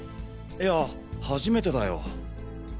いやはじめてだよ。